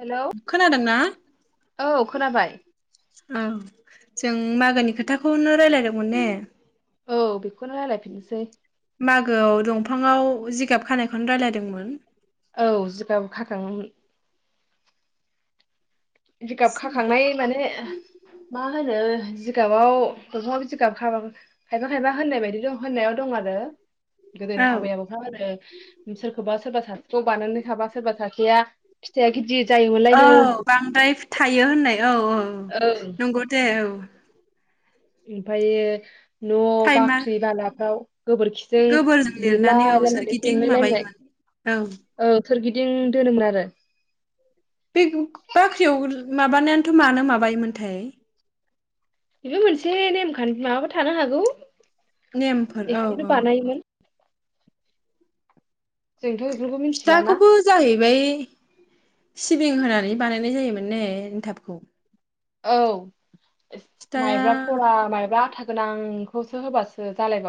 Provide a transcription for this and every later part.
Hello खोनादोंना औ खोनाबाय औ जों मा मागोनि खोथाखौनो रायज्लायदोंमोन ने? औ बेखौनो रायलायफिननोसै मागोआव दंफाङाव जिगाब खानायखौनो रायलायदोंमोन औ जिगाब खाखां जिगाब खाखांनाय माने मा होनो जिगाबाव दंफाङाव जिगाब खा खायफा खायफा होननाय बायदि दं होननायाव दं आरो गोदोनि औ आबै आबौफ्रा होनो आरो सोरखौबा सोरबा सान गथ' बानानै खाबा सोरबा सासेया फिथाइया गिदिर औ जायोमोनलायनो। बांद्राय थायो होननाय औ औ नंगौ दे औ ओमफ्राय ओ न' टाइमा बाख्रि बालाफ्राव गोबोरखिजों गोबोरजों लिरनानै औ लिरलायलायनानै सोरगिदिं बेंलायलायनाय माबायोमोन औ सोरगिदिं दोनोमोन आरो बे बाख्रियाव माबानायानोथ' मानो माबायोमोनथाय बेबो मोनसे नेमखान्थि माबाबो थानो हागौ नेमफोर औ एखायनोथ' औ बानायोमोन जोंथ' बेफोरखौ मिथिलाना फिथाखौबो जाहैबाय सिबिं होनानै बानायनाय जायोमोन नै एन्थाबखौ। औ माइब्रा फिथाया भरा माइब्रा आथा गोनांखौसो होबासो जालाय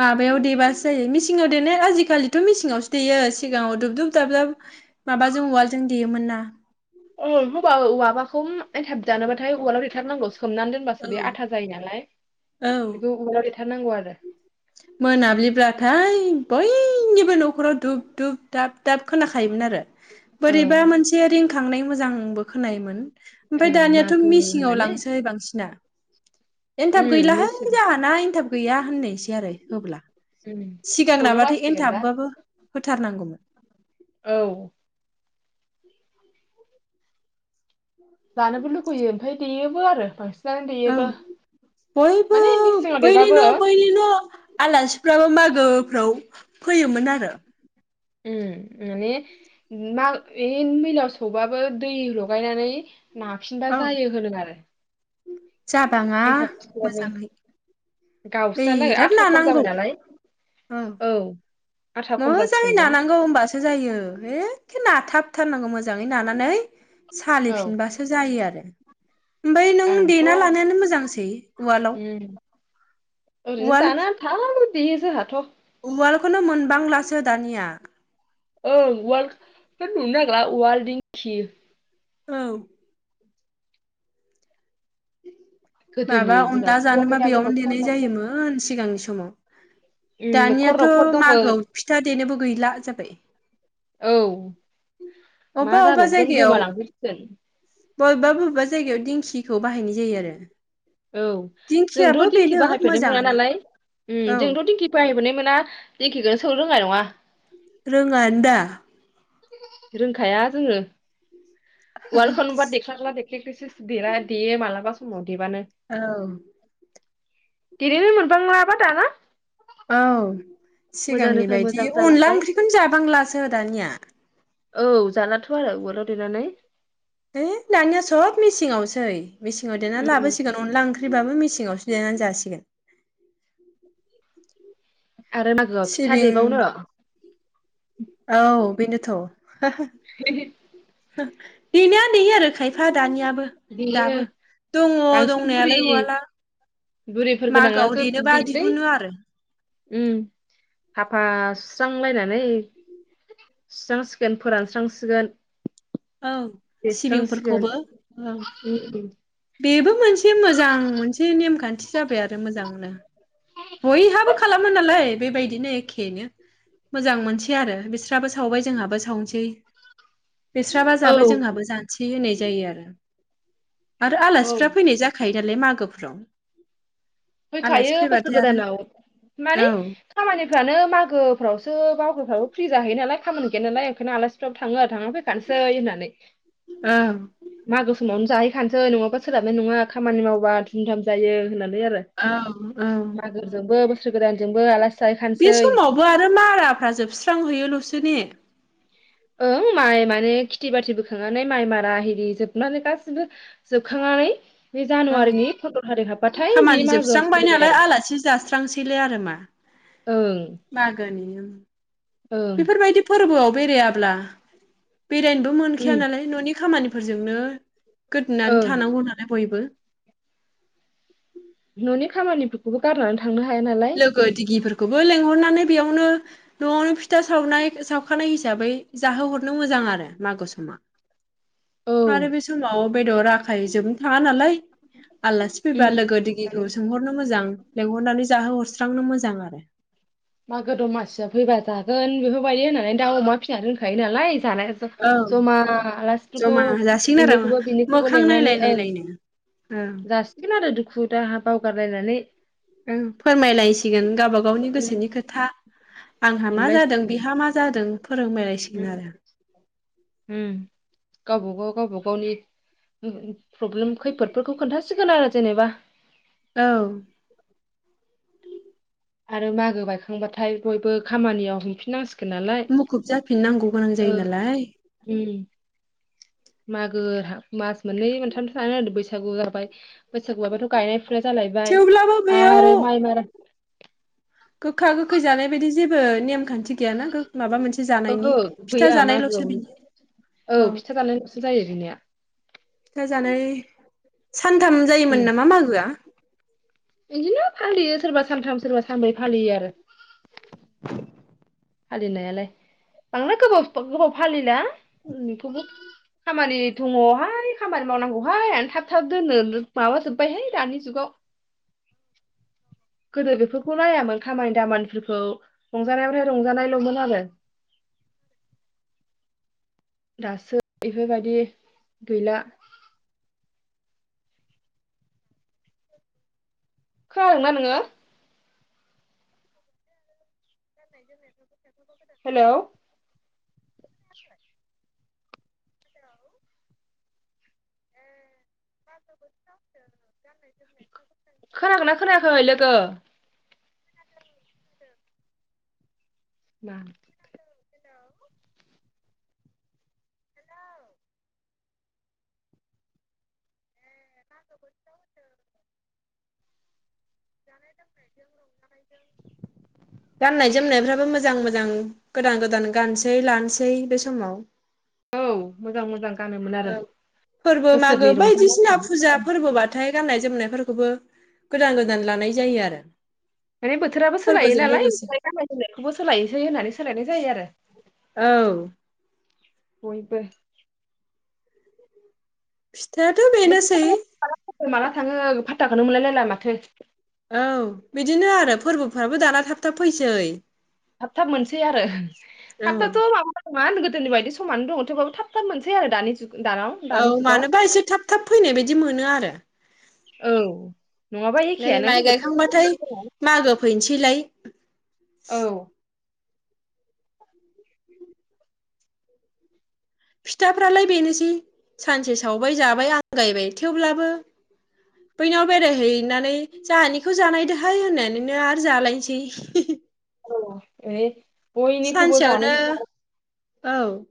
माबायाव देबासो जायो मिसिङाव देनाय आजिखालिथ' मिसिं सिगाङावसो देयो सिगाङाव दुब दुब दाबदाब माबाजों उवाजों देयोमोन ना औ हबा‌ माबाखौ एनथाब जानोबाथाय उवालाव देथारनांगौ। सोमनानै औ दोनबासो बे आथा जायो नालाय बेखौ उ थारनांगौ आरो मोनाब्लिब्लाथाय बयनिबो न' न'खराव धुब धुब दाब दाब खोनाखायोमोन आरो ओं बोरैबा मोनसे रिंखांनाय मोजां आंबो खोनायोमोन ओं ओमफाय दानियाथ' मागो मिसिंआव होननानै लांसै बांसिना उम एनथाब गैलाहाय मिथि जाहाना एनथाब [inaudible] आरो होब्ला उम सिगां सौनो नाबाथाय बासिगोन दा एनथाबबाबो थार नांगौमोन। औ जानोबो लुगैयो ओमफाय देयोबो आरो बांसिन औ बयबो मिसिङाव बैनि देबाबो न बैनि न आलासिफ्राबो मागोफ्राव फैयोमोन आरो उम माने मा ऐ मैलाव सौबाबो दै लगायनानै नाफिनबा औ जायो होनो आरो जाबाङा मोजाङै गावस्रानो बिराद आथा खम जाबाय नानांगौ नालाय औ आथा खम मोजाङै जासिगोनबा नानांगौ होमबासो जायो एखे नाथाब थारनांगौ मोजाङै नानानै औ सालिफिनबासो जायो आरो ओमफाय नों आंथ' देना लानायानो मोजांसै उवालाव उम ओरैनो उवाल जानो आन्थाल' देयो जाहाथ' उवालखौनो मोनबां लासो दानिया ओं उवाल खोनो नुनो नागिला उवाल डिंखि औ गोदोनि माबा अनला दिनावसो जानोबा बयनाबो बेयावनो न'खर देनाय न'खर जायोमोन सिगांनि समाव उम न'खर दानियाथ न'खर दंमोन मागोआव फिथा देनोबो गैला जेन औ [unintelligible] मा अबबा अबबा जाबावगोन जायगायाव गोमालांजोबसिगोन बबेबा बबेबा जायगायाव दिंखिखौ बाहायनाय जायो आरो औ दिंखियाबो जोंथ दिंखि बेनो बाहायफेरनो मोना मोजाङानो नालाय उम औ जोंथ दिंखि बाहायबोनाय मोना दिंखिखोनो सौ रोंनाय नङा रोङान दा रोंखाया जोङो वालखौनोबा देथारला [unintelligible] देयो मालाबा देबानो औ। देनोनो मोनफ्लांलाबा दाना औ। सिगांनि मोजांनिफ्राय मोजां बायदि अनला जालांबाय ओंख्रिखौनो जाबांलासो दानिया। औ जालाथ' आरो उवालाव देनानै। ए दानिया सब मेसिनावसै मेसिनाव देना उम लाबोसिगोन अनला ओंख्रिब्लाबो मेसिनावसो देनानै जासिगोन। आरो मागोआव फिथा सिबिं देबावनो औ बेनोथ' [inaudible] देनाया देयो आरो खायफा दानिया। देयो दाबो दङ बांसिन बुरि दंनायालाय उवाला बुरिफोर मागोआव गोनाङासो देनोबा देयोलै दिहुनो आरो। साफा सुस्रांलायनानै सुस्रांसिगोन फोरानस्रांसिगोन। औ देस्रांसिगोन सिबिंफोरखौबो औ। उम बेबो मोनसे मोजां मोनसे नेमखान्थि। जाबाय आरो मोजांनो। बयहाबो खालामो नालाय बेबायदि। बिदिनो एखेनो। मोजां आरो बिस्राबो सावबाय जोंहाबो सावनोसै। बेस्राबा औ जाबाय जोंहाबो जानोसै। होननाय जायो आरो। आरो औ आलासिफ्रा फैनाय जाखायो नालाय मागो गोफ्राव फैखायो बोसोर गोदानाव औ माने खामानिफ्रानो मागोफ्रावसो मागोफ्रावबो फ्रि जाहैयो नालाय। खामानि गैया नालाय ओंखायनो आलासिफ्राबो थांना थांना फैखानोसै होननानै। औ मागो समावनो जाहैखानोसै नङाबा सोलाबनाय नङा खामानि मावबा धुमधाम जायो होननानै आरो। औ मागोजोंबो औ। बोसोर गोदानजोंबो आलासि बे जाहैखानोसै समावबो आरो माराफ्रा जोबस्रांहैयोल'। सो ने? ओं माइ माने खेथि बाथि बोखांनानै माइ मारा हेरि जोबनानै गासैबो जोबखांनानै। बे ओं जानुवारिनि फन्द्र' थारिख हाबबाथाय बे खामानि मागोआ जोबस्रांबाय सोलिबाय नालाय आरो आलासि जास्रांसैलाय आरो मा ओं मागोनि। ओं बेफोरबायदि फोरबोआव बेराया ब्ला बेरायनोबो मोनखाया ओं नालाय न'नि खामानि फोरजोंनो गोदोनानै ओं थानांगौ नालाय बयबो। [inaudible] न'नि खामानिफोरखौबो गारनानै थांनो हाया नालाय। खौबो लेंहरनानै बेयावनो न'आवनो फिथा सावनाय सावखानाय हिसाबै जाहोहरनो मोजां आरो मागो समा। औ आरो बे समाव बेदर आखाइ जोबनो थाङा नालाय आलासि फैबा लोगो माने दिगिखौ सोंहरनो मोजां। लेंहरनानै जाहो हरस्रांनो मोजां आरो। मागो दमासिया फैबा जागोन बेफोरबायदि होननानै दाउ अमा फिसिनानै दोनखायो नालाय। जानाय औ ज-जमा आलासिफोरखौ जमा जासिगोन आरो बिनिखौबो बिनिखौबो मोखां नायलाय लिंनानै ओं नायलायनो ओं जासिगोन आरो दु खु दाहा बावगारलायनानै औ फोरमायलायसिगोन गावबा गावनि गोसोनि खो था आंहा मा जादों बिहा मा जादों फोरमाय ओम ओम गाव गावबा गाव गावबा गावनि ओ प्रब्लेम खैफोदफोरखौ खोनथासिगोन आरो जेनेबा। औ। आरो मागो बायखांबाथाय बयबो खामानियाव हांफिननांसि मुखुब जाफिन नांगौ गोनां जायो नालाय ओं मागो मास मोननै मोनथामसो थांना बैसागु जाबाय बैसागुआबोथ' गायनाय फुनाय जालायबाय थेवब्लाबो बेयाव आरो माइ मारा गोखा गोखै जानाय बायदि जेबो नेम खान्थि गैयाना गो माबा मोनसे ओहो जानायनि फिथा गैया जानायल'सो मागोआव बिनिया औ। फिथा जानायल'सो जायो जोंनिया फिथा जानानै सानथाम उम जायोमोन नामा मागोआ? बिदिनो फालियो सोरबा सानथाम सोरबा सानब्रै फालियो आरो। फालिनायालाय बांद्राय गोबाव गोबाव फालिला [unintelligible] खामानि दङहाय खामानि मावनांगौहाय आं थाब थाब दोननो माबाजोबबायहाय दानि जुगाव। गोदो बेफोरखौ नायामोन खामानि दामानिफोरखौ रंजानायावथाय रंजानायल'मोन आरो। दासो बेफोरबायदि गैला। [inaudible] खोनादोंना नोङो? [inaudible] हेलौ [inaudible] खोनाखोना खोनायाखै लोगो? [inaudible] मा [inaudible] गाननाय जोमनायफ्राबो मोजां मो जां गोदान गोदान गानसै लानोसै बे समाव। औ मोजां मोजां गानोमोन आरो ओं फोरबो मागो बोसोरनै बायदिसिना रंजानाय फुजा फोरबोबाथाय गाननाय जोमनायफोरखौबो गोदान गोदान लानाय जायो आरो। माने बोथोराबो सोलाय फोरबोजों लोगोसे नालायमफ्राय ओमफाय गाननाय जोमनायखौबो सोलायसै होननानै सोलायनाय जायो आरो। औ। बयबो। फिथायाथ' बेनोसै। ओ माला थाङो फाथाखौनो मोनलायलायलाय माथो। औ बिदिनो आरो फोरबोफ्राबो दाना थाब थाब फैसै। थाब थाब मोनसै आरो थाबथाथ' माबाफोरा गोदोनि बायदि समानै दङ थेवबाबो थाब थाब मोनसै आरो दानि जुग दानाव औ दानि जुगाव मानोबा एसे थाब थाब फैनाय बायदि मोनो आरो। औ नङाबा नै एखेयानो माइ बे बोथोर बोथोर गायखांबाथाय मागो फैनोसै लाय औ फिथाफ्रालाय बेनोसै सानसे सावबाय जाबाय आंगायबाय थेवब्लाबो बैनाव बेरायहैनानै जोंहानिखौ जानायदोहाय होननानैनो आरो जालायनोसै। औ एउ। बयनिखौबो जानो सानसेयावनो [unintelligible] औ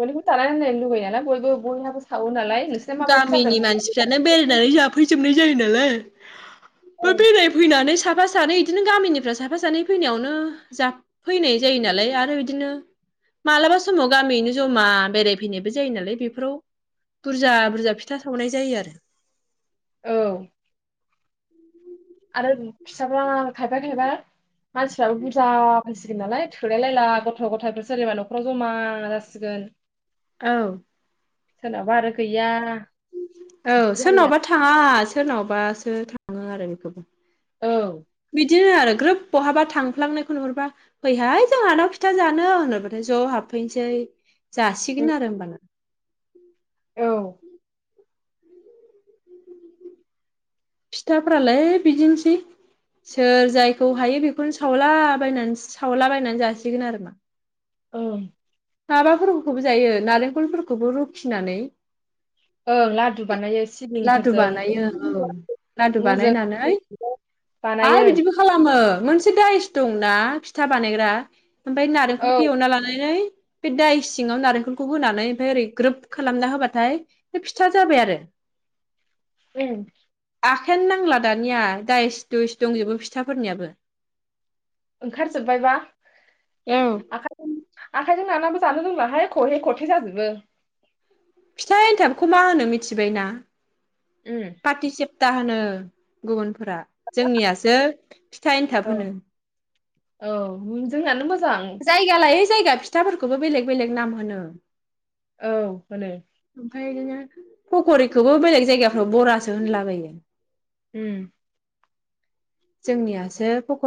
बयखौबो थानाय लुबै ना बयबो बयहाबो साव नालाय। नोंसोरना गामिनि माबायदि मानसिफ्रानो जादों बेरायनानै जाफैजोबनाय जायो नालाय। बा बेरायफैनानै साफा सानै बिदिनो गामिनिफ्राय साफा सानै फैनायावनो जा फैनाय जायो नालाय आरो बिदिनो मालाबा समाव गामियैनो जमा बेरायफैनायबो जायो नालाय बेफोराव बुरजा बुरजा फिथा सावनाय जायो आरो। औ आरो फिसाफ्रा खायफा खायफा मानसिफ्राबो बुरजा फैसिगोन नालाय थोलाय लायला गथ' गथायफोर सोरनिबा न'खराव जमा जासिगोन। औ। सोरनाबा आरो गैया। औ बिदि जायो सोरनावबा थाङा सोरनावबा। ओ थाङो आरो बेखौबो। औ। दिनो आरो ग्रोब बहाबा थांफ्लांनायखौ नुहरबा फैहाय जोंहानाव फिथा जानो होनोबाथाय ज' हाबफैसै औ जासिगोन आरो होमबाना। औ। फिथाफ्रालाय बिदिनोसै सोर जायखौ हायो बेखौनो सावलाबायनानै सावलाबायनानै जासिगोन आरो मा। औ। माबाफोरखौबो जायो नारेंखलफोरखौबो रुखिनानै? ओं लादु बानायो लादु सिलिंफोरजों बानायो औ [unintelligible] लादु बानायनानै आरो बानायो बिदिबो खालामो मोनसे दाइस दंना फिथा बानायग्रा ओमफ्राय औ नारेंखलखौ एवना लानानै बे दायस सिङाव नारेंखलखौ होनानै ओमफफ्राय ओरै ग्रोब खालामना होबाथाय बे फिथा जाबाय आरो उम। आखायानो नांला दानिया दाइस दुइस दंजोबो फिथाफोरनियाबो ओंखारजोबबायबा औ आखाइजों आखाइजों नालाबो जानो रोंलाहाय खहे खथे जाजोबो फिथा एन्थाबखौ मा होनो मिथिबाय ना उम फाथिसे ता होनो गुबुन फोरा जोंनियासो फिथा एन्थाब औ होनो औ जोंहानो मोजां जायगालायै जायगा फिथाफोरखौबो बेलेग बेलेग नाम होनो औ होनो ओफ्रायना फक'रिखौबो बेलेग जायगाफ्राव बरासो होनलाबायो उम। जोंनियासो फक